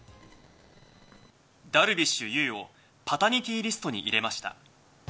ダルビッシュ有をパタニティー・リストに入れました。